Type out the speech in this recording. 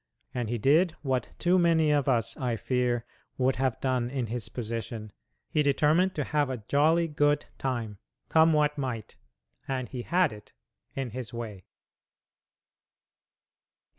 And he did what too many of us, I fear, would have done in his position he determined to have a jolly good time, come what might; and he had it in his way.